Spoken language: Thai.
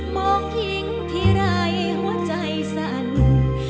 มองยิ่งที่ไร้หัวใจสะอาด